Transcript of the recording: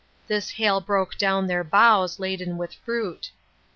This hail broke down their boughs laden with fruit.